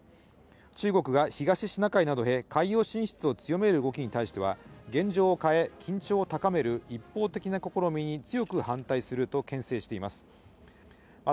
中国が東シナ海などへ海洋進出を強める動きに対しては、現状を変え、緊張を高める一方的な試みに強く反対すると牽制しています。